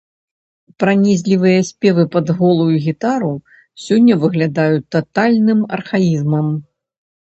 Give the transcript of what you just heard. Пранізлівыя спевы пад голую гітару сёння выглядаюць татальным архаізмам.